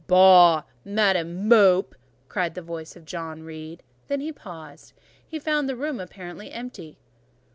"Boh! Madam Mope!" cried the voice of John Reed; then he paused: he found the room apparently empty.